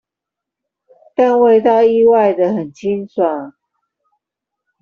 但味道意外地很清爽